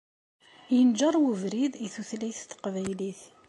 Yenǧeṛ webrid i tutlayt taqbaylit.